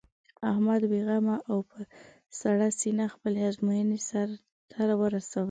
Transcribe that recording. احمد بې غمه او په سړه سینه خپلې ازموینې سر ته ورسولې.